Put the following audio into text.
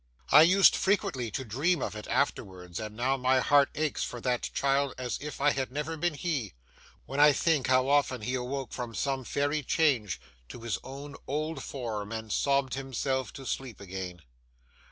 I used frequently to dream of it afterwards, and now my heart aches for that child as if I had never been he, when I think how often he awoke from some fairy change to his own old form, and sobbed himself to sleep again.